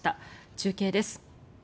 中継です。